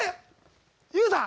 ＹＯＵさん！